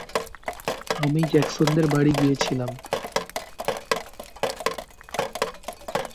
আমি জ্যাকসনদের বাড়ি গিয়েছিলাম।